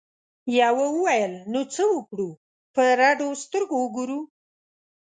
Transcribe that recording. یوه وویل نو څه وکړو په رډو سترګو وګورو؟